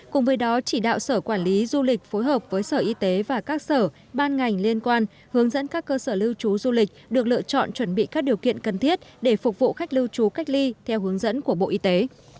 cùng với đó chỉ đạo sở quản lý du lịch phối hợp với sở y tế và các sở ban ngành liên quan hướng dẫn các cơ sở lưu trú du lịch được lựa chọn chuẩn bị các điều kiện cần thiết để phục vụ khách lưu trú cách ly theo hướng dẫn của bộ y tế